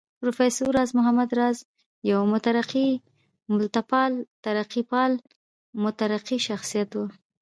پروفېسر راز محمد راز يو مترقي ملتپال، ترقيپال مترقي شخصيت و